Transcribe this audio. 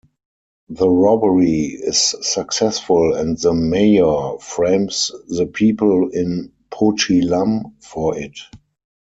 The robbery is successful and the mayor frames the people in Po-chi-lam for it.